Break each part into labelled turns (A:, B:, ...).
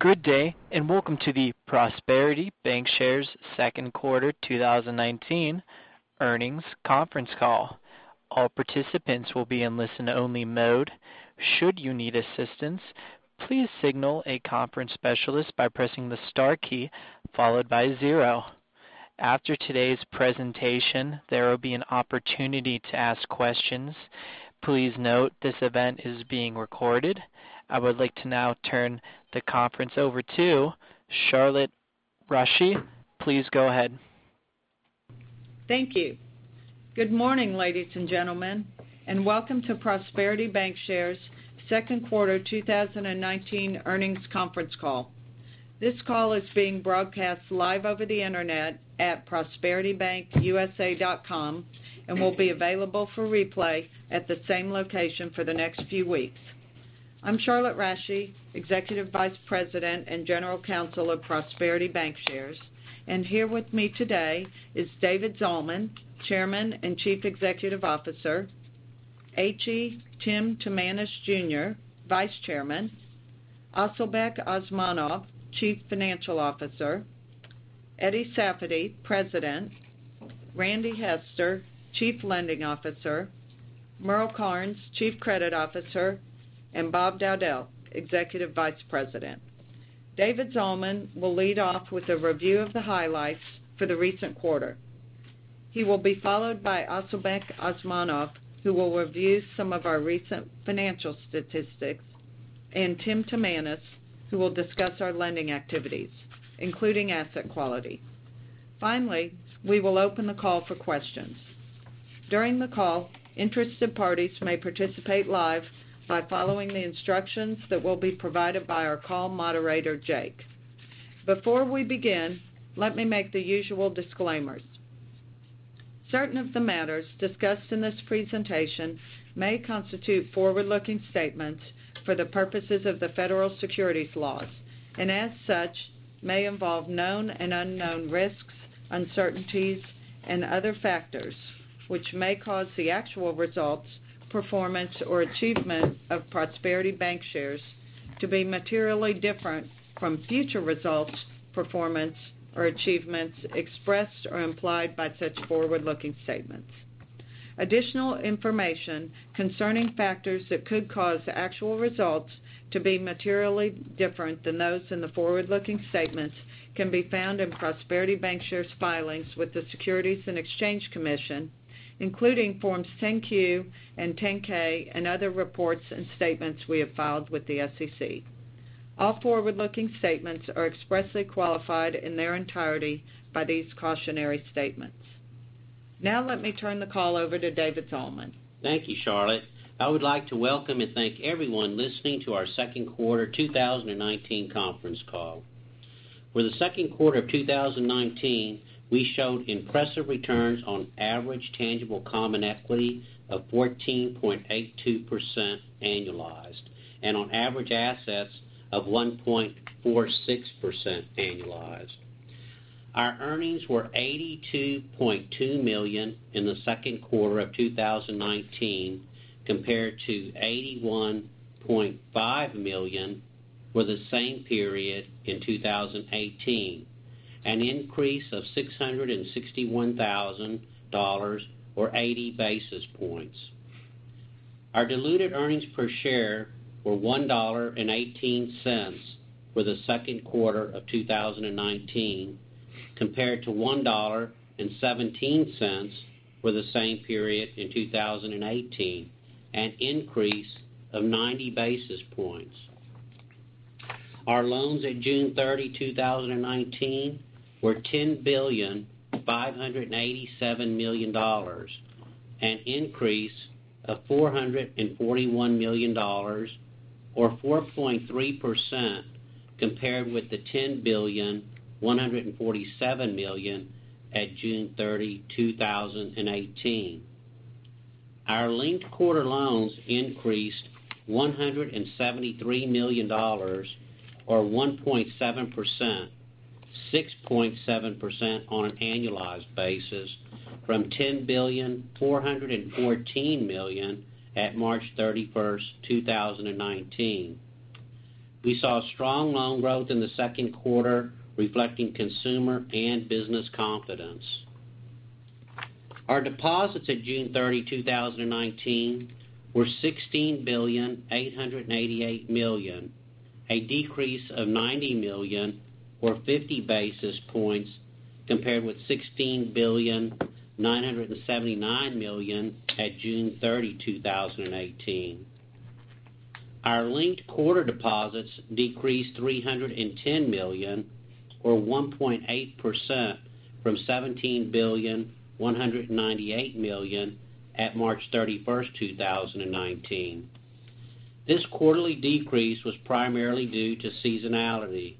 A: Good day, and welcome to the Prosperity Bancshares second quarter 2019 earnings conference call. All participants will be in listen-only mode. Should you need assistance, please signal a conference specialist by pressing the star key followed by zero. After today's presentation, there will be an opportunity to ask questions. Please note this event is being recorded. I would like to now turn the conference over to Charlotte Rasche. Please go ahead.
B: Thank you. Good morning, ladies and gentlemen, and welcome to Prosperity Bancshares' second quarter 2019 earnings conference call. This call is being broadcast live over the internet at prosperitybankusa.com and will be available for replay at the same location for the next few weeks. I'm Charlotte Rasche, Executive Vice President and General Counsel of Prosperity Bancshares, and here with me today is David Zalman, Chairman and Chief Executive Officer, H.E. Tim Timanus, Jr., Vice Chairman, Asylbek Osmonov, Chief Financial Officer, Eddie Safady, President, Randy Hester, Chief Lending Officer, Merle Karnes, Chief Credit Officer, and Bob Dowdell, Executive Vice President. David Zalman will lead off with a review of the highlights for the recent quarter. He will be followed by Asylbek Osmonov, who will review some of our recent financial statistics, and Tim Timanus, who will discuss our lending activities, including asset quality. Finally, we will open the call for questions. During the call, interested parties may participate live by following the instructions that will be provided by our call moderator, Jake. Before we begin, let me make the usual disclaimers. Certain of the matters discussed in this presentation may constitute forward-looking statements for the purposes of the federal securities laws and, as such, may involve known and unknown risks, uncertainties, and other factors, which may cause the actual results, performance, or achievement of Prosperity Bancshares to be materially different from future results, performance, or achievements expressed or implied by such forward-looking statements. Additional information concerning factors that could cause the actual results to be materially different than those in the forward-looking statements can be found in Prosperity Bancshares' filings with the Securities and Exchange Commission, including Forms 10-Q and 10-K and other reports and statements we have filed with the SEC. All forward-looking statements are expressly qualified in their entirety by these cautionary statements. Let me turn the call over to David Zalman.
C: Thank you, Charlotte. I would like to welcome and thank everyone listening to our second quarter 2019 conference call. For the second quarter of 2019, we showed impressive returns on average tangible common equity of 14.82% annualized and on average assets of 1.46% annualized. Our earnings were $82.2 million in the second quarter of 2019 compared to $81.5 million for the same period in 2018, an increase of $661,000 or 80 basis points. Our diluted earnings per share were $1.18 for the second quarter of 2019 compared to $1.17 for the same period in 2018, an increase of 90 basis points. Our loans at June 30, 2019, were $10,587,000,000, an increase of $441 million or 4.3% compared with the $10,147,000 at June 30, 2018. Our linked quarter loans increased $173 million or 1.7%, 6.7% on an annualized basis from $10,414,000 at March 31, 2019. We saw strong loan growth in the second quarter reflecting consumer and business confidence. Our deposits at June 30, 2019, were $16.888 billion, a decrease of $90 million or 50 basis points compared with $16.979 million at June 30, 2018. Our linked quarter deposits decreased $310 million or 1.8% from $17.198 million at March 31st, 2019. This quarterly decrease was primarily due to seasonality.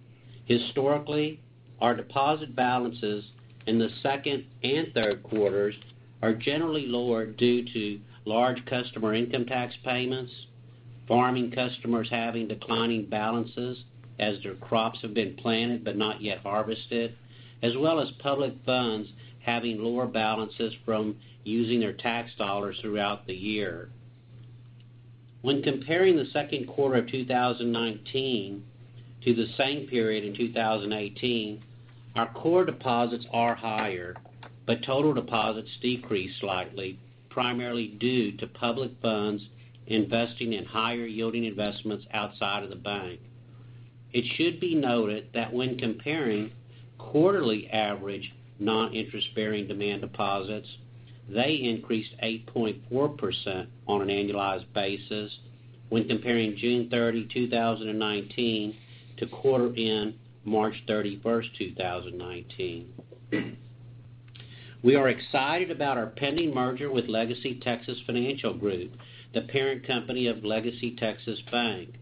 C: Historically, our deposit balances in the second and third quarters are generally lower due to large customer income tax payments, farming customers having declining balances as their crops have been planted but not yet harvested, as well as public funds having lower balances from using their tax dollars throughout the year. When comparing the second quarter of 2019 to the same period in 2018, our core deposits are higher, but total deposits decrease slightly, primarily due to public funds investing in higher yielding investments outside of the bank. It should be noted that when comparing quarterly average non-interest-bearing demand deposits, they increased 8.4% on an annualized basis when comparing June 30, 2019, to quarter end March 31st, 2019. We are excited about our pending merger with LegacyTexas Financial Group, the parent company of LegacyTexas Bank.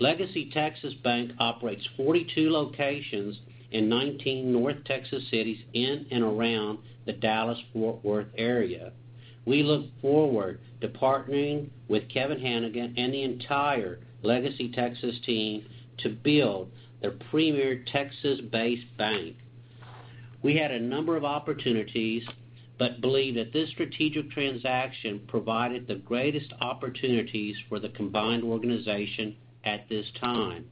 C: LegacyTexas Bank operates 42 locations in 19 North Texas cities in and around the Dallas-Fort Worth area. We look forward to partnering with Kevin Hanigan and the entire LegacyTexas team to build their premier Texas-based bank. We had a number of opportunities, but believe that this strategic transaction provided the greatest opportunities for the combined organization at this time.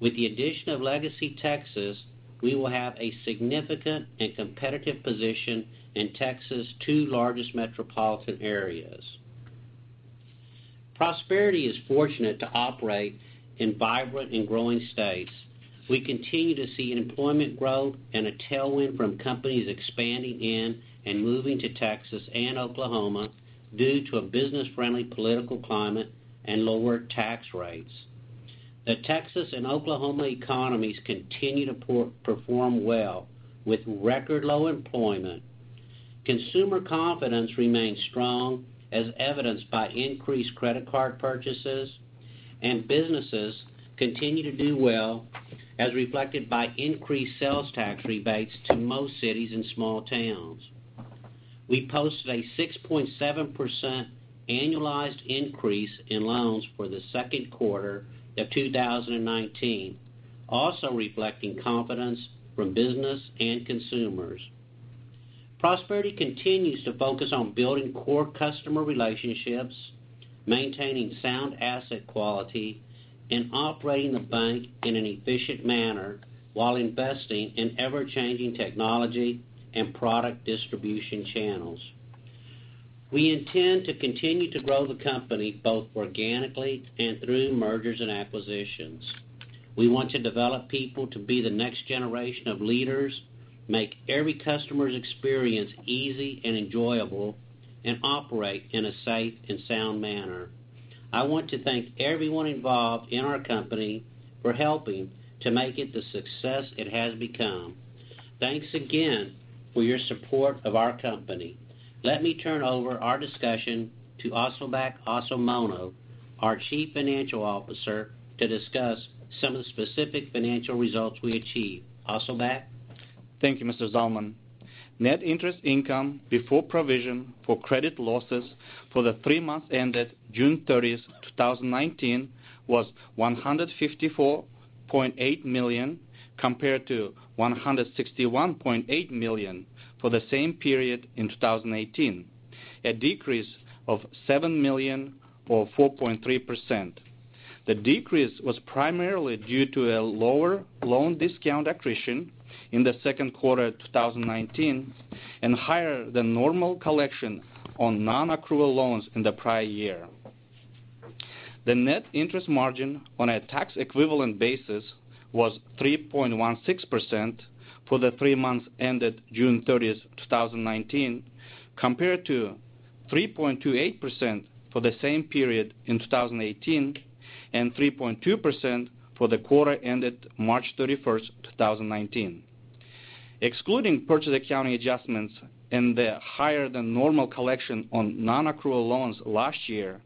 C: With the addition of LegacyTexas, we will have a significant and competitive position in Texas' two largest metropolitan areas. Prosperity is fortunate to operate in vibrant and growing states. We continue to see employment growth and a tailwind from companies expanding in and moving to Texas and Oklahoma due to a business-friendly political climate and lower tax rates. The Texas and Oklahoma economies continue to perform well with record low employment. Consumer confidence remains strong, as evidenced by increased credit card purchases, and businesses continue to do well, as reflected by increased sales tax rebates to most cities and small towns. We posted a 6.7% annualized increase in loans for the second quarter of 2019, also reflecting confidence from business and consumers. Prosperity continues to focus on building core customer relationships, maintaining sound asset quality, and operating the bank in an efficient manner while investing in ever-changing technology and product distribution channels. We intend to continue to grow the company both organically and through mergers and acquisitions. We want to develop people to be the next generation of leaders, make every customer's experience easy and enjoyable, and operate in a safe and sound manner. I want to thank everyone involved in our company for helping to make it the success it has become. Thanks again for your support of our company. Let me turn over our discussion to Asylbek Osmonov, our Chief Financial Officer, to discuss some of the specific financial results we achieved. Asylbek.
D: Thank you, Mr. Zalman. Net interest income before provision for credit losses for the three months ended June 30th, 2019, was $154.8 million, compared to $161.8 million for the same period in 2018, a decrease of $7 million or 4.3%. The decrease was primarily due to a lower loan discount accretion in the second quarter of 2019 and higher than normal collection on non-accrual loans in the prior year. The net interest margin on a tax equivalent basis was 3.16% for the three months ended June 30th, 2019, compared to 3.28% for the same period in 2018 and 3.2% for the quarter ended March 31st, 2019. Excluding purchase accounting adjustments and the higher than normal collection on non-accrual loans last year,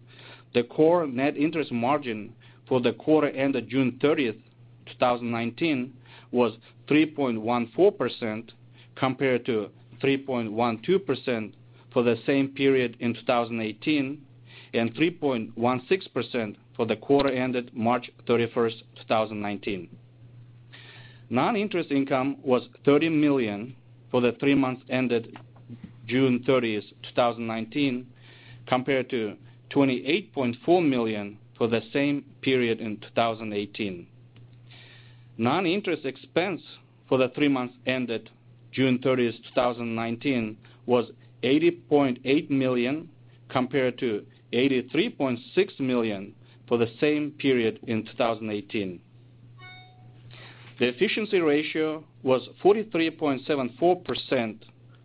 D: the core net interest margin for the quarter ended June 30th, 2019, was 3.14%, compared to 3.12% for the same period in 2018 and 3.16% for the quarter ended March 31st, 2019. Non-interest income was $30 million for the three months ended June 30th, 2019, compared to $28.4 million for the same period in 2018. Non-interest expense for the three months ended June 30th, 2019, was $80.8 million compared to $83.6 million for the same period in 2018. The efficiency ratio was 43.74%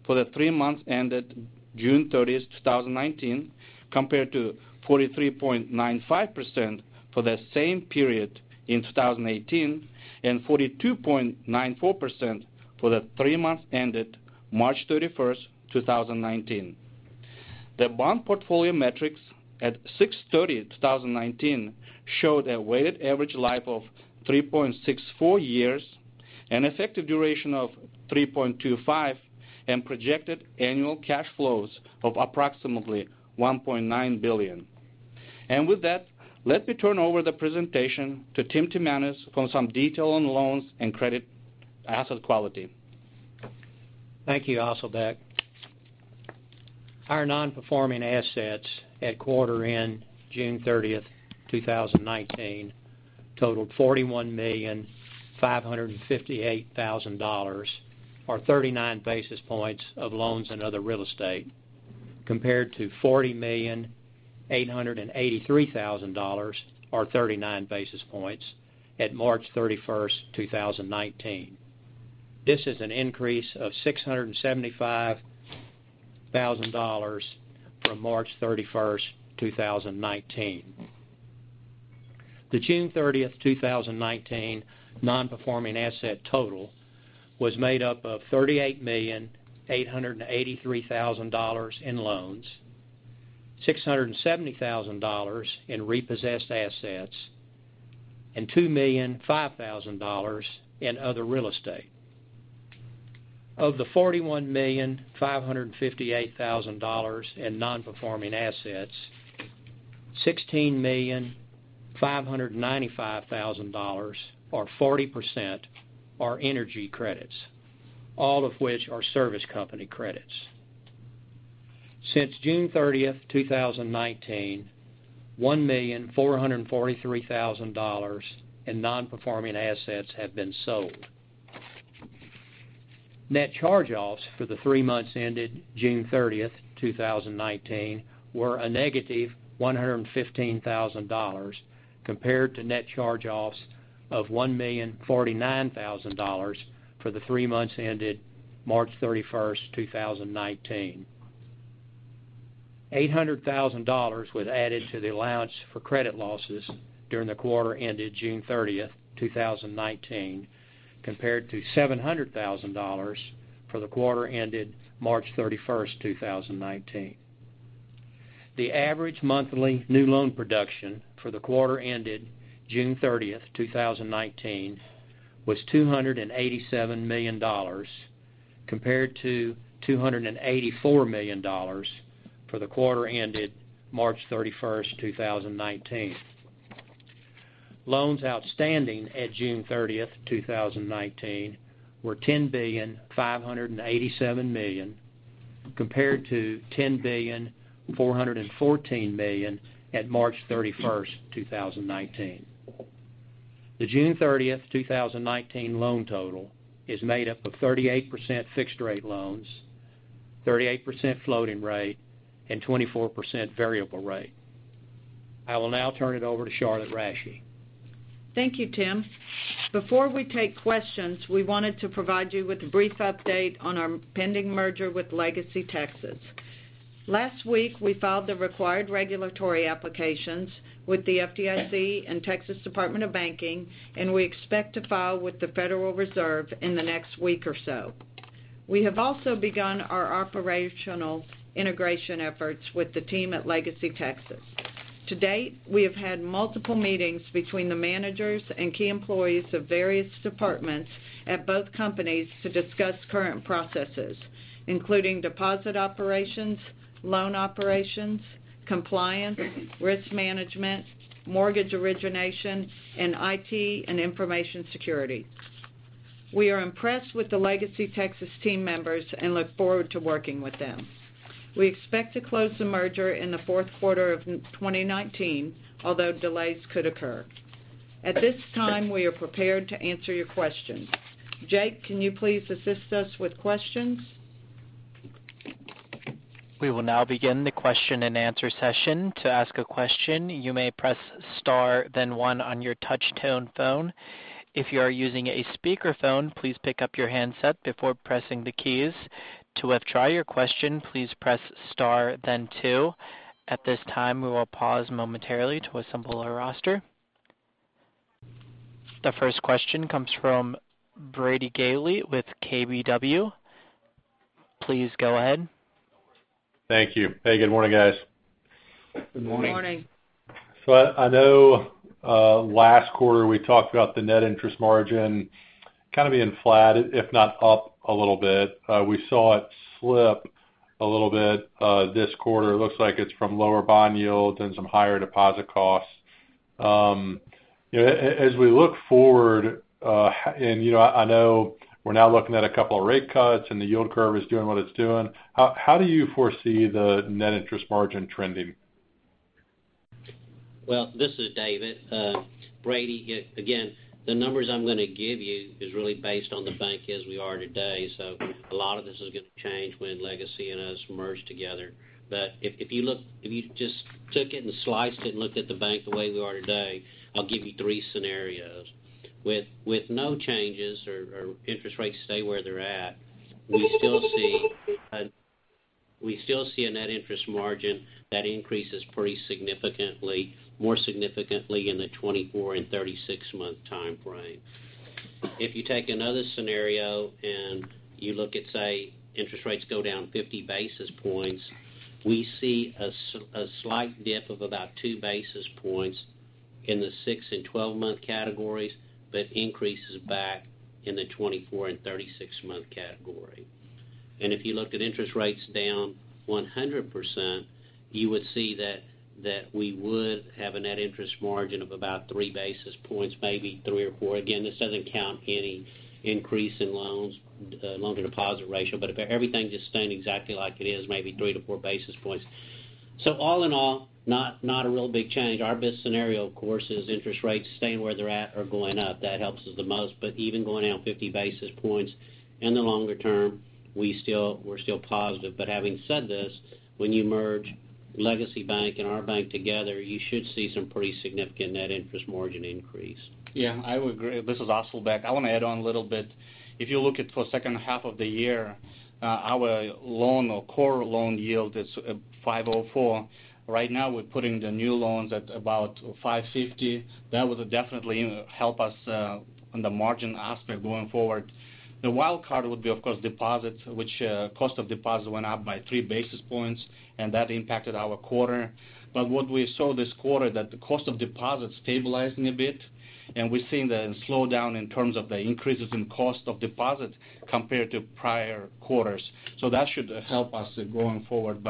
D: for the three months ended June 30th, 2019, compared to 43.95% for the same period in 2018 and 42.94% for the three months ended March 31st, 2019. The bond portfolio metrics at 6/30/2019 showed a weighted average life of 3.64 years, an effective duration of 3.25, and projected annual cash flows of approximately $1.9 billion. With that, let me turn over the presentation to Tim Timanus for some detail on loans and credit asset quality.
E: Thank you, Asylbek. Our non-performing assets at quarter end June 30th, 2019 totaled $41,558,000, or 39 basis points of loans and other real estate, compared to $40,883,000, or 39 basis points at March 31st, 2019. This is an increase of $675,000 from March 31st, 2019. The June 30th, 2019 non-performing asset total was made up of $38,883,000 in loans, $670,000 in repossessed assets, and $2,005,000 in other real estate. Of the $41,558,000 in non-performing assets, $16,595,000, or 40%, are energy credits, all of which are service company credits. Since June 30th, 2019, $1,443,000 in non-performing assets have been sold. Net charge-offs for the three months ended June 30th, 2019 were a negative $115,000, compared to net charge-offs of $1,049,000 for the three months ended March 31st, 2019. $800,000 was added to the allowance for credit losses during the quarter ended June 30th, 2019, compared to $700,000 for the quarter ended March 31st, 2019. The average monthly new loan production for the quarter ended June 30th, 2019 was $287 million, compared to $284 million for the quarter ended March 31st, 2019. Loans outstanding at June 30th, 2019 were $10,587,000,000, compared to $10,414,000,000 at March 31st, 2019. The June 30th, 2019 loan total is made up of 38% fixed rate loans, 38% floating rate, and 24% variable rate. I will now turn it over to Charlotte Rasche.
B: Thank you, Tim. Before we take questions, we wanted to provide you with a brief update on our pending merger with LegacyTexas. Last week, we filed the required regulatory applications with the FDIC and Texas Department of Banking. We expect to file with the Federal Reserve in the next week or so. We have also begun our operational integration efforts with the team at LegacyTexas. To date, we have had multiple meetings between the managers and key employees of various departments at both companies to discuss current processes, including deposit operations, loan operations, compliance, risk management, mortgage origination, and IT and information security. We are impressed with the LegacyTexas team members and look forward to working with them. We expect to close the merger in the fourth quarter of 2019, although delays could occur. At this time, we are prepared to answer your questions. Jake, can you please assist us with questions?
A: We will now begin the question and answer session. To ask a question, you may press star then one on your touch tone phone. If you are using a speakerphone, please pick up your handset before pressing the keys. To withdraw your question, please press star then two. At this time, we will pause momentarily to assemble our roster. The first question comes from Brady Gailey with KBW. Please go ahead.
F: Thank you. Hey, good morning, guys.
C: Good morning.
B: Good morning.
F: I know last quarter we talked about the net interest margin kind of being flat, if not up a little bit. We saw it slip a little bit this quarter. Looks like it's from lower bond yields and some higher deposit costs. As we look forward, and I know we're now looking at a couple of rate cuts and the yield curve is doing what it's doing, how do you foresee the net interest margin trending?
C: This is David. Brady, again, the numbers I'm going to give you is really based on the bank as we are today. A lot of this is going to change when Legacy and us merge together. If you just took it and sliced it and looked at the bank the way we are today, I'll give you three scenarios. With no changes or interest rates stay where they're at, we still see a net interest margin that increases pretty significantly, more significantly in the 24 and 36 month time frame. You take another scenario and you look at, say, interest rates go down 50 basis points, we see a slight dip of about two basis points in the six and 12 month categories, but increases back in the 24 and 36 month category. If you looked at interest rates down 100%, you would see that we would have a net interest margin of about three basis points, maybe three or four. Again, this doesn't count any increase in loans, loan-to-deposit ratio, but if everything just stayed exactly like it is, maybe three to four basis points. All in all, not a real big change. Our best scenario, of course, is interest rates staying where they're at or going up. That helps us the most. Even going down 50 basis points in the longer term, we're still positive. Having said this, when you merge LegacyTexas Bank and our bank together, you should see some pretty significant net interest margin increase.
D: Yeah, I would agree. This is Asylbek. I want to add on a little bit. If you look at for second half of the year, our loan or core loan yield is at 504. Right now, we're putting the new loans at about 550. That would definitely help us on the margin aspect going forward. The wild card would be, of course, deposits, which cost of deposit went up by 3 basis points, and that impacted our quarter. What we saw this quarter that the cost of deposits stabilizing a bit, and we're seeing the slowdown in terms of the increases in cost of deposits compared to prior quarters. That should help us going forward.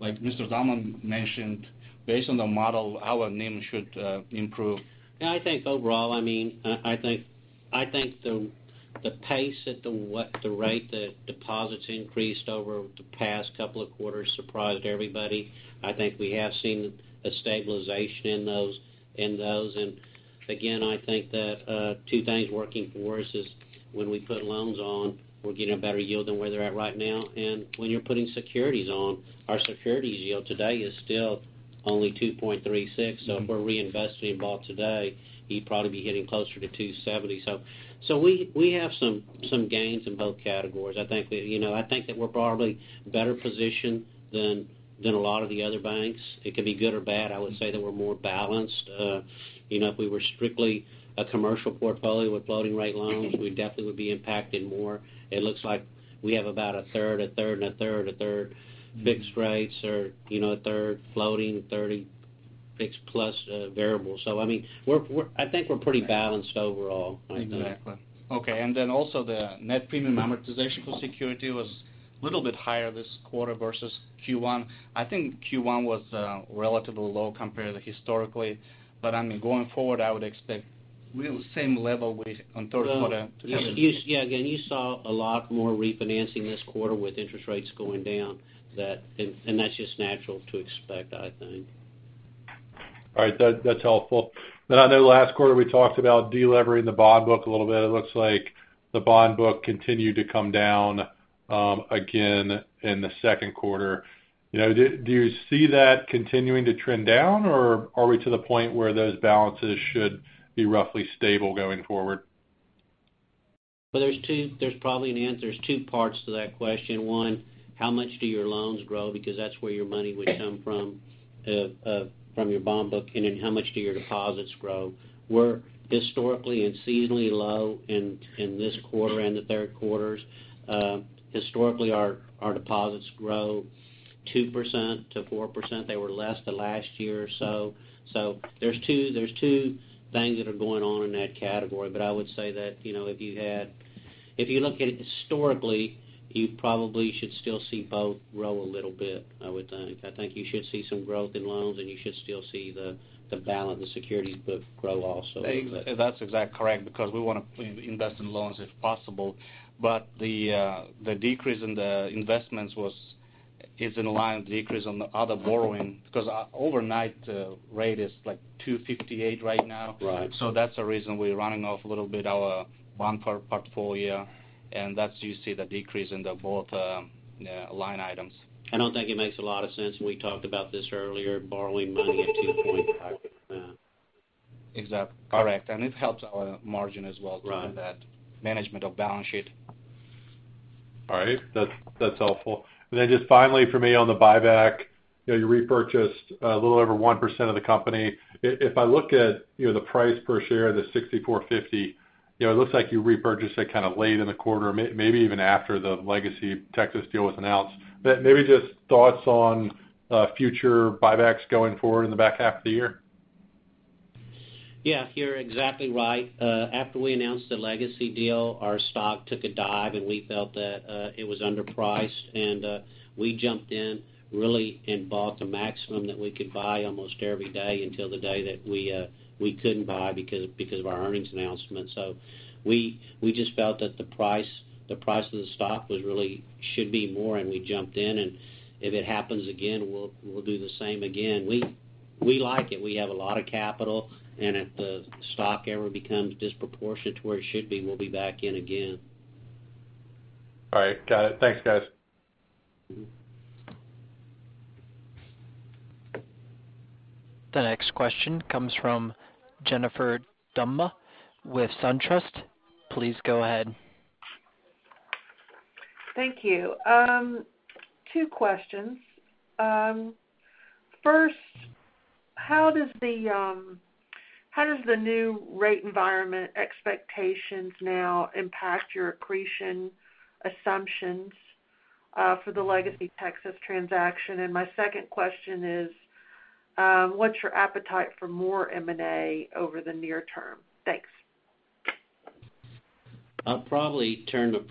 D: Like Mr. Zalman mentioned, based on the model, our NIM should improve.
C: Yeah, I think overall, the pace at the rate that deposits increased over the past couple of quarters surprised everybody. I think we have seen a stabilization in those. Again, I think that two things working for us is when we put loans on, we're getting a better yield than where they're at right now. When you're putting securities on, our securities yield today is still only 2.36. If we're reinvesting a bond today, you'd probably be getting closer to 270. We have some gains in both categories. I think that we're probably better positioned than a lot of the other banks. It could be good or bad. I would say that we're more balanced. If we were strictly a commercial portfolio with floating rate loans, we definitely would be impacted more. It looks like we have about a third, a third, and a third, a third fixed rates or a third floating, 30 fixed plus variable. I think we're pretty balanced overall.
D: Exactly. Okay, also the net premium amortization for security was a little bit higher this quarter versus Q1. I think Q1 was relatively low compared historically. Going forward, I would expect really the same level with on third quarter.
C: Yeah. Again, you saw a lot more refinancing this quarter with interest rates going down. That's just natural to expect, I think.
F: All right. That's helpful. I know last quarter, we talked about de-levering the bond book a little bit. It looks like the bond book continued to come down again in the second quarter. Do you see that continuing to trend down, or are we to the point where those balances should be roughly stable going forward?
C: There's probably an answer. There's two parts to that question. One, how much do your loans grow? Because that's where your money would come from your bond book. How much do your deposits grow? We're historically and seasonally low in this quarter and the third quarters. Historically, our deposits grow 2%-4%. They were less the last year or so. There's two things that are going on in that category. I would say that if you look at it historically, you probably should still see both grow a little bit, I would think. I think you should see some growth in loans, and you should still see the balance, the securities book grow also a little bit.
D: That's exact correct because we want to invest in loans if possible. The decrease in the investments is in line with the decrease on the other borrowing because our overnight rate is like 258 right now.
F: Right.
D: That's the reason we're running off a little bit our bond portfolio, and that's you see the decrease in the both line items.
C: I don't think it makes a lot of sense. We talked about this earlier, borrowing money at 2.5%.
D: Exactly. Correct. It helps our margin as well too.
F: Right
D: in that management of balance sheet.
F: All right. That's helpful. Then just finally for me on the buyback, you repurchased a little over 1% of the company. If I look at the price per share, the $64.50, it looks like you repurchased it kind of late in the quarter, maybe even after the LegacyTexas deal was announced. Maybe just thoughts on future buybacks going forward in the back half of the year.
C: Yeah, you're exactly right. After we announced the Legacy deal, our stock took a dive, and we felt that it was underpriced, and we jumped in really and bought the maximum that we could buy almost every day until the day that we couldn't buy because of our earnings announcement. We just felt that the price of the stock really should be more, and we jumped in, and if it happens again, we'll do the same again. We like it. We have a lot of capital, and if the stock ever becomes disproportionate to where it should be, we'll be back in again.
F: All right. Got it. Thanks, guys.
A: The next question comes from Jennifer Demba with SunTrust. Please go ahead.
G: Thank you. Two questions. First, how does the new rate environment expectations now impact your accretion assumptions for the LegacyTexas transaction? My second question is, what's your appetite for more M&A over the near term? Thanks.
C: I'll probably turn the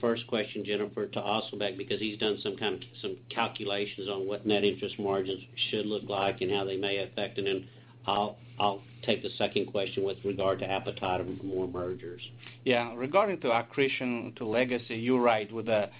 C: first question, Jennifer, to Asylbek, because he's done some calculations on what net interest margins should look like and how they may affect it. I'll take the second question with regard to appetite of more mergers.
D: Yeah. Regarding accretion to Legacy, you're right. With the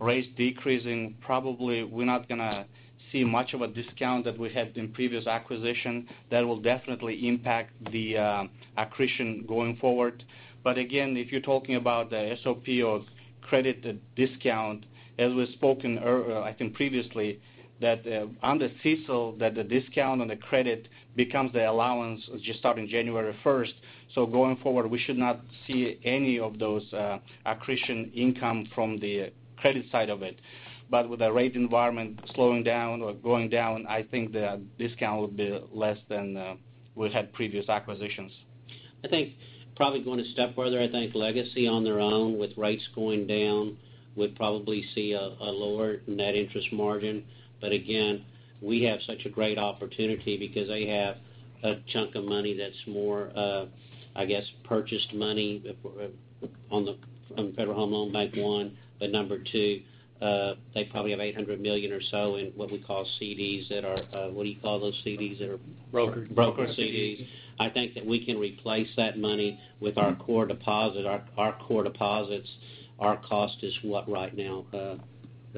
D: rates decreasing, probably we're not going to see much of a discount that we had in previous acquisition. That will definitely impact the accretion going forward. Again, if you're talking about the SOP of credited discount, as we've spoken, I think previously, that under CECL, that the discount on the credit becomes the allowance just starting January 1st. Going forward, we should not see any of those accretion income from the credit side of it. With the rate environment slowing down or going down, I think the discount will be less than we had previous acquisitions.
C: I think probably going a step further, I think Legacy on their own with rates going down would probably see a lower net interest margin. Again, we have such a great opportunity because they have a chunk of money that's more, I guess, purchased money from the Federal Home Loan Bank one. Number two, they probably have $800 million or so in what we call CDs.
E: Broker CDs.
C: Broker CDs. I think that we can replace that money with our core deposit. Our core deposits, our cost is what right now?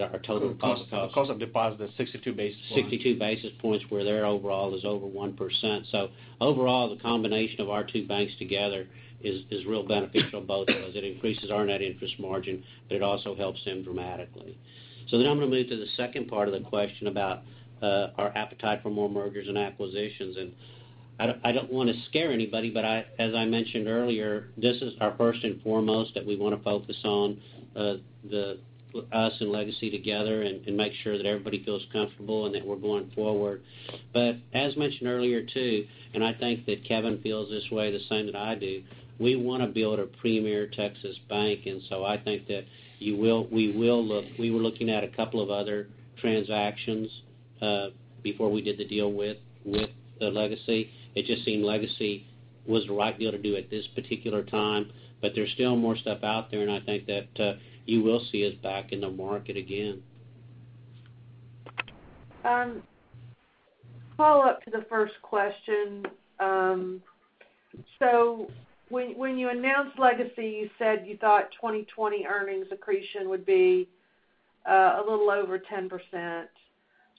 C: Our total cost.
D: Cost of deposit is 62 basis points.
C: 62 basis points where their overall is over 1%. Overall, the combination of our two banks together is real beneficial to both because it increases our net interest margin, but it also helps them dramatically. Then I'm going to move to the second part of the question about our appetite for more mergers and acquisitions. I don't want to scare anybody, but as I mentioned earlier, this is our first and foremost that we want to focus on, us and LegacyTexas together, and make sure that everybody feels comfortable and that we're going forward. As mentioned earlier, too, I think that Kevin feels this way the same that I do, we want to build a premier Texas bank. I think that we were looking at a couple of other transactions before we did the deal with LegacyTexas. It just seemed Legacy was the right deal to do at this particular time. There's still more stuff out there, and I think that you will see us back in the market again.
G: Follow-up to the first question. When you announced Legacy, you said you thought 2020 earnings accretion would be a little over 10%.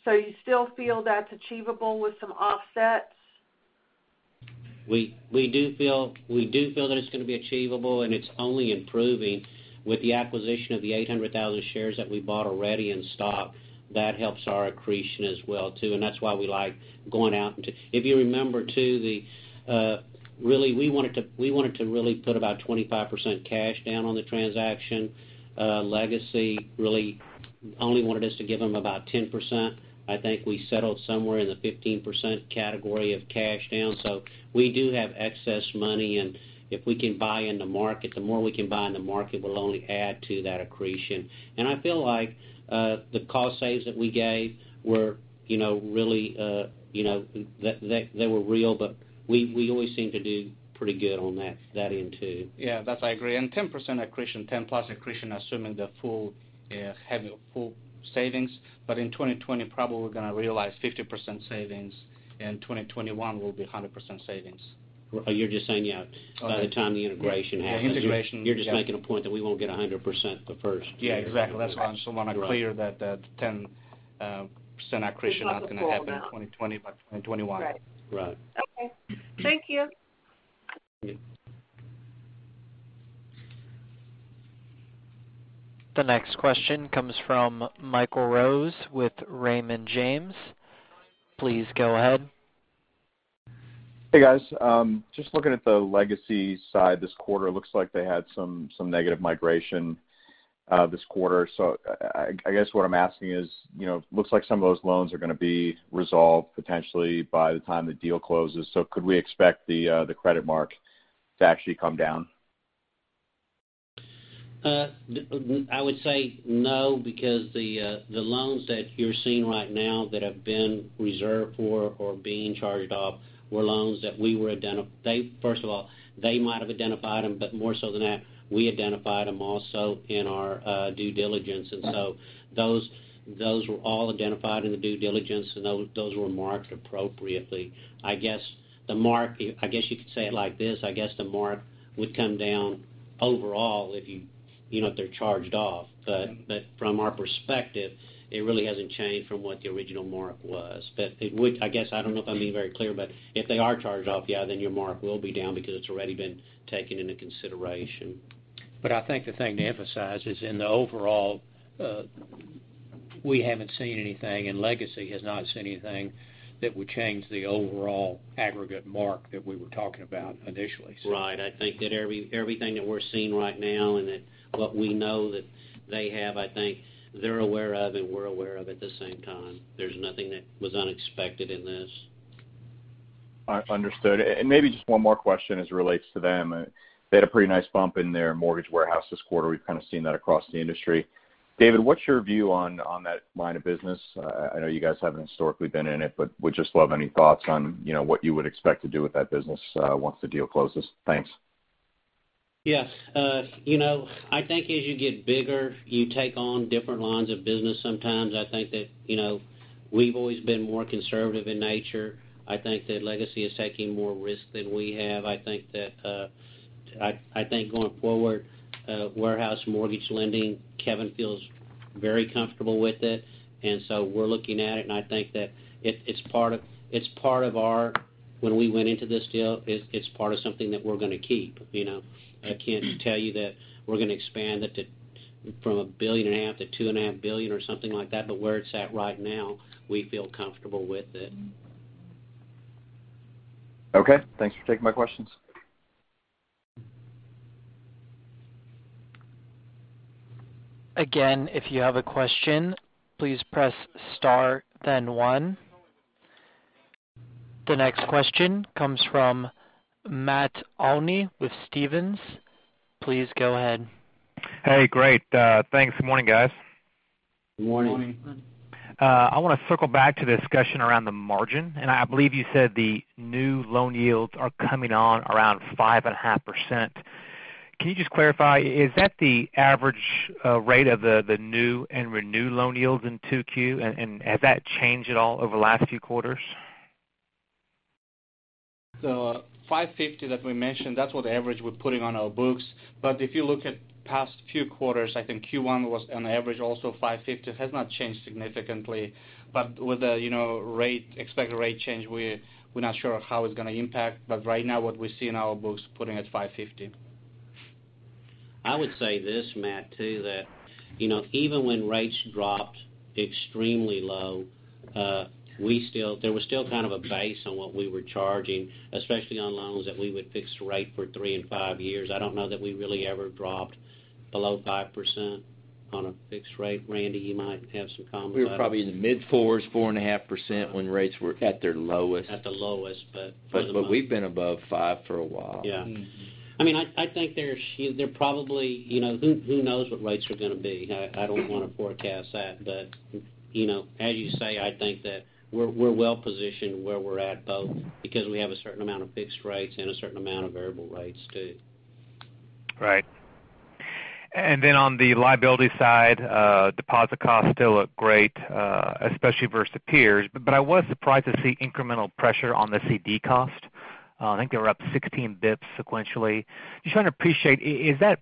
G: You still feel that's achievable with some offsets?
C: We do feel that it's going to be achievable, and it's only improving with the acquisition of the 800,000 shares that we bought already in stock. That helps our accretion as well, too, and that's why we like going out. If you remember, too, we wanted to really put about 25% cash down on the transaction. Legacy really only wanted us to give them about 10%. I think we settled somewhere in the 15% category of cash down. We do have excess money, and if we can buy in the market, the more we can buy in the market will only add to that accretion. I feel like the cost saves that we gave, they were real, but we always seem to do pretty good on that end, too.
D: Yeah, that I agree. 10% accretion, 10 plus accretion, assuming the full savings. In 2020, probably we're going to realize 50% savings, and 2021 will be 100% savings.
C: Oh, you're just saying by the time the integration happens.
D: Yeah, integration.
C: You're just making a point that we won't get 100% the first year.
D: Yeah, exactly. That's why I just want to clear that 10% accretion.
G: Just not the full amount.
D: not going to happen in 2020, but 2021.
G: Right.
C: Right.
G: Okay. Thank you.
D: Thank you.
A: The next question comes from Michael Rose with Raymond James. Please go ahead.
H: Hey, guys. Just looking at the Legacy side this quarter, looks like they had some negative migration this quarter. I guess what I'm asking is, looks like some of those loans are going to be resolved potentially by the time the deal closes. Could we expect the credit mark to actually come down?
C: I would say no, because the loans that you're seeing right now that have been reserved for or being charged off were loans that First of all, they might have identified them, but more so than that, we identified them also in our due diligence. Those were all identified in the due diligence, and those were marked appropriately. I guess you could say it like this, I guess the mark would come down overall if they're charged off. From our perspective, it really hasn't changed from what the original mark was. I guess I don't know if I'm being very clear, but if they are charged off, yeah, then your mark will be down because it's already been taken into consideration.
E: I think the thing to emphasize is in the overall, we haven't seen anything, and Legacy has not seen anything that would change the overall aggregate mark that we were talking about initially.
C: Right. I think that everything that we're seeing right now and that what we know that they have, I think they're aware of and we're aware of at the same time. There's nothing that was unexpected in this.
H: Understood. Maybe just one more question as it relates to them. They had a pretty nice bump in their mortgage warehouse this quarter. We've kind of seen that across the industry. David, what's your view on that line of business? I know you guys haven't historically been in it, but would just love any thoughts on what you would expect to do with that business once the deal closes. Thanks.
C: Yes. I think as you get bigger, you take on different lines of business sometimes. I think that we've always been more conservative in nature. I think that Legacy is taking more risks than we have. I think going forward, warehouse mortgage lending, Kevin feels very comfortable with it, and so we're looking at it, and I think that when we went into this deal, it's part of something that we're going to keep. I can't tell you that we're going to expand it from a billion and a half to two and a half billion or something like that, but where it's at right now, we feel comfortable with it.
H: Okay. Thanks for taking my questions.
A: Again, if you have a question, please press star then one. The next question comes from Matt Olney with Stephens. Please go ahead.
I: Hey, great. Thanks. Good morning, guys.
J: Good morning. Morning.
I: I want to circle back to the discussion around the margin. I believe you said the new loan yields are coming on around 5.5%. Can you just clarify, is that the average rate of the new and renewed loan yields in 2Q, and has that changed at all over the last few quarters?
D: The 550 that we mentioned, that's what the average we're putting on our books. If you look at past few quarters, I think Q1 was on average also 550. It has not changed significantly. With the expected rate change, we're not sure how it's going to impact. Right now, what we see in our books putting it at 550.
C: I would say this, Matt, too, that even when rates dropped extremely low, there was still kind of a base on what we were charging, especially on loans that we would fix rate for three and five years. I don't know that we really ever dropped below 5% on a fixed rate. Randy, you might have some comments about it.
J: We were probably in the mid-fours, 4.5% when rates were at their lowest.
C: At the lowest.
J: We've been above five for a while.
C: Yeah. I think who knows what rates are going to be. I don't want to forecast that, but as you say, I think that we're well positioned where we're at both because we have a certain amount of fixed rates and a certain amount of variable rates, too.
I: Right. On the liability side, deposit costs still look great, especially versus peers, I was surprised to see incremental pressure on the CD cost. I think they were up 16 basis points sequentially. Just trying to appreciate, is that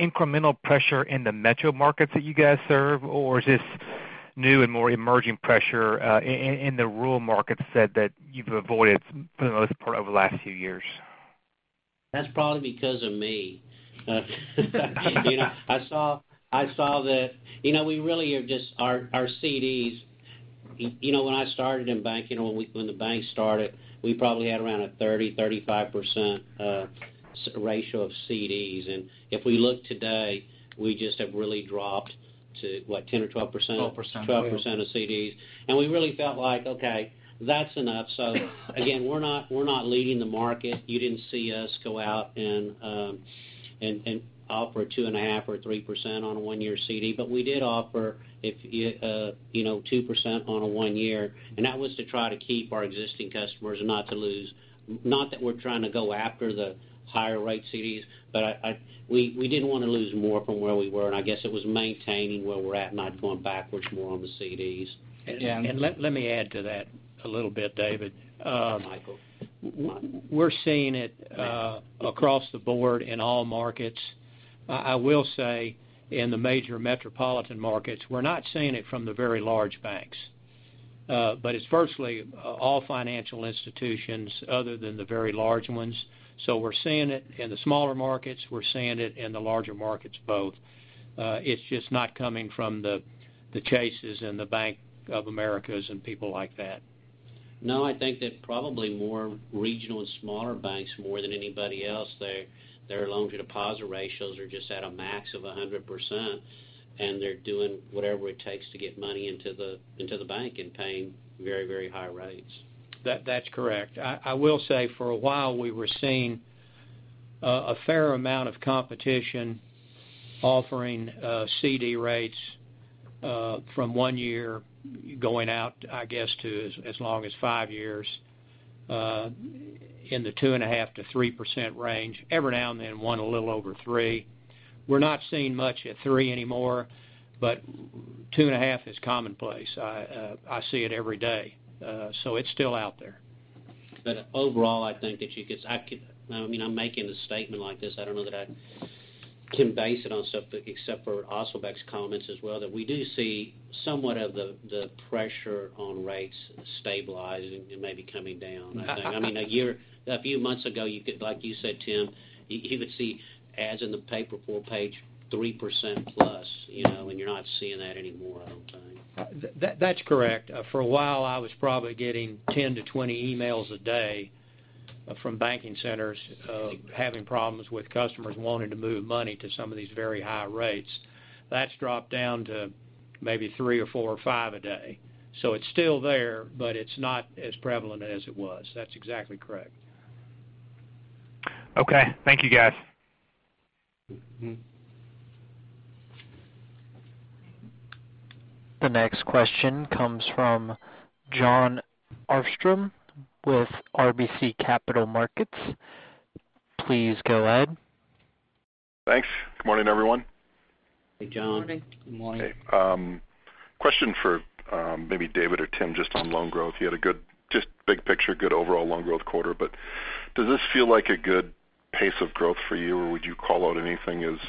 I: incremental pressure in the metro markets that you guys serve, or is this new and more emerging pressure in the rural markets that you've avoided for the most part over the last few years?
C: That's probably because of me. I saw that our CDs when I started in banking or when the bank started, we probably had around a 30%-35% ratio of CDs, and if we look today, we just have really dropped to what, 10% or 12%?
J: 12%, yeah.
C: 12% of CDs, and we really felt like, okay, that's enough. Again, we're not leading the market. You didn't see us go out and offer 2.5 or 3% on a one-year CD, but we did offer 2% on a one-year, and that was to try to keep our existing customers and not to lose not that we're trying to go after the higher rate CDs, but we didn't want to lose more from where we were, and I guess it was maintaining where we're at, not going backwards more on the CDs.
J: Yeah.
E: Let me add to that a little bit, David.
C: Michael.
E: We're seeing it across the board in all markets. I will say in the major metropolitan markets, we're not seeing it from the very large banks. It's virtually all financial institutions other than the very large ones. We're seeing it in the smaller markets, we're seeing it in the larger markets both. It's just not coming from the Chases and the Bank of Americas and people like that.
C: No, I think that probably more regional and smaller banks more than anybody else, their loan-to-deposit ratios are just at a max of 100%, and they're doing whatever it takes to get money into the bank and paying very, very high rates.
E: That's correct. I will say for a while, we were seeing a fair amount of competition offering CD rates from one year going out, I guess, to as long as five years in the 2.5%-3% range. Every now and then, one a little over three. We're not seeing much at three anymore, two and a half is commonplace. I see it every day. It's still out there.
C: Overall, I think I'm making a statement like this, I don't know that I can base it on stuff except for Asylbek's comments as well, that we do see somewhat of the pressure on rates stabilizing and maybe coming down, I think. A few months ago, like you said, Tim, you would see ads in the paper for paid 3% plus, and you're not seeing that anymore, I don't think.
E: That's correct. For a while, I was probably getting 10 to 20 emails a day from banking centers having problems with customers wanting to move money to some of these very high rates. That's dropped down to maybe three or four or five a day. It's still there, but it's not as prevalent as it was. That's exactly correct.
I: Okay. Thank you, guys.
A: The next question comes from Jon Arfstrom with RBC Capital Markets. Please go ahead.
K: Thanks. Good morning, everyone.
C: Hey, Jon.
E: Good morning.
K: Question for maybe David or Tim, just on loan growth. You had a big picture, good overall loan growth quarter. Does this feel like a good pace of growth for you, or would you call out anything as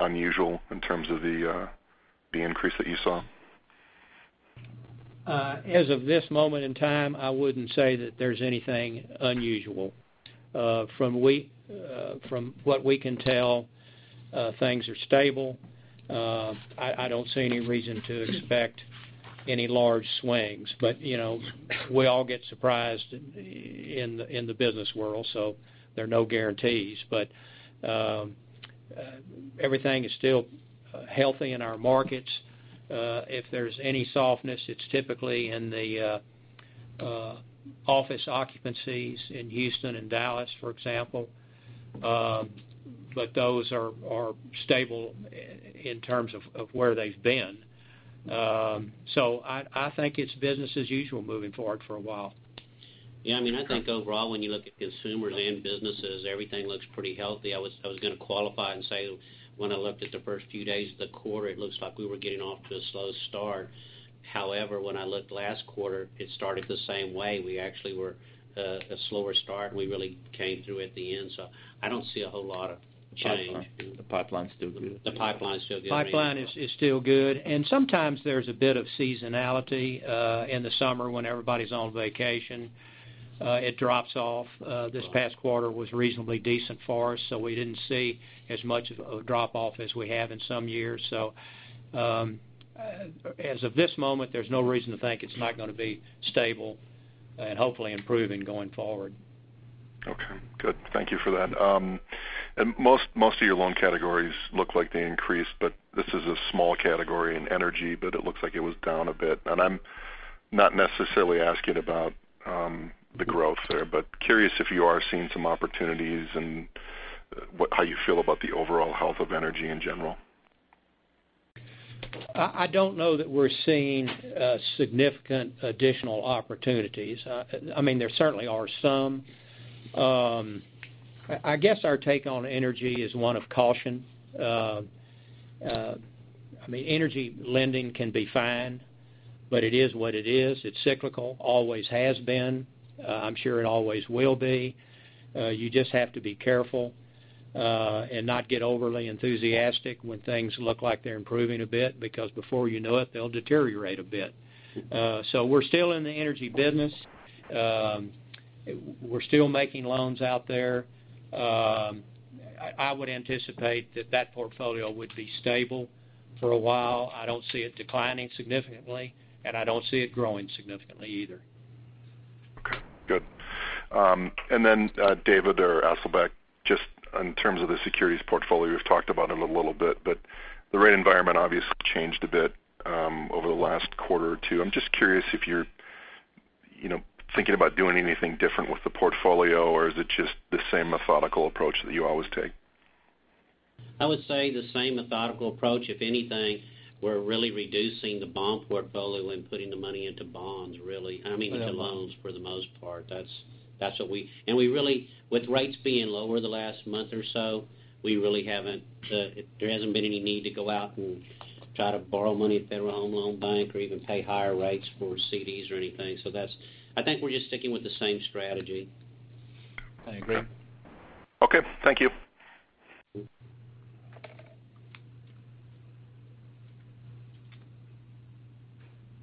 K: unusual in terms of the increase that you saw?
E: As of this moment in time, I wouldn't say that there's anything unusual. From what we can tell, things are stable. I don't see any reason to expect any large swings, we all get surprised in the business world, so there are no guarantees. Everything is still healthy in our markets. If there's any softness, it's typically in the office occupancies in Houston and Dallas, for example. Those are stable in terms of where they've been. I think it's business as usual moving forward for a while.
C: I think overall, when you look at consumers and businesses, everything looks pretty healthy. I was going to qualify and say, when I looked at the first few days of the quarter, it looks like we were getting off to a slow start. When I looked last quarter, it started the same way. We actually were a slower start, and we really came through at the end. I don't see a whole lot of change.
K: The pipeline's still good.
C: The pipeline's still good.
E: The pipeline is still good. Sometimes there's a bit of seasonality in the summer when everybody's on vacation, it drops off. This past quarter was reasonably decent for us. We didn't see as much of a drop-off as we have in some years. As of this moment, there's no reason to think it's not going to be stable and hopefully improving going forward.
K: Okay, good. Thank you for that. Most of your loan categories look like they increased, but this is a small category in energy, but it looks like it was down a bit. I'm not necessarily asking about the growth there, but curious if you are seeing some opportunities and how you feel about the overall health of energy in general.
E: I don't know that we're seeing significant additional opportunities. There certainly are some. I guess our take on energy is one of caution. Energy lending can be fine, but it is what it is. It's cyclical, always has been. I'm sure it always will be. You just have to be careful, and not get overly enthusiastic when things look like they're improving a bit, because before you know it, they'll deteriorate a bit. We're still in the energy business. We're still making loans out there. I would anticipate that that portfolio would be stable for a while. I don't see it declining significantly, and I don't see it growing significantly either.
K: Okay, good. David or Asylbek, just in terms of the securities portfolio, you've talked about them a little bit, but the rate environment obviously changed a bit over the last quarter or two. I'm just curious if you're thinking about doing anything different with the portfolio, or is it just the same methodical approach that you always take?
C: I would say the same methodical approach. If anything, we're really reducing the bond portfolio and putting the money into bonds, really. I mean, into loans for the most part. With rates being lower the last month or so, there hasn't been any need to go out and try to borrow money at Federal Home Loan Bank or even pay higher rates for CDs or anything. I think we're just sticking with the same strategy.
E: I agree.
K: Okay. Thank you.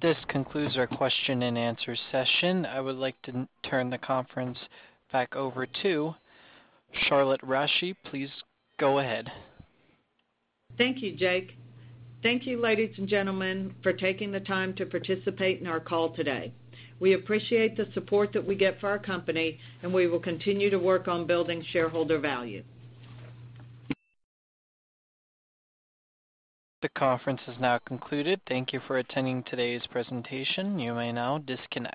A: This concludes our question and answer session. I would like to turn the conference back over to Charlotte Rasche. Please go ahead.
B: Thank you, Jake. Thank you, ladies and gentlemen, for taking the time to participate in our call today. We appreciate the support that we get for our company. We will continue to work on building shareholder value.
A: The conference is now concluded. Thank you for attending today's presentation. You may now disconnect.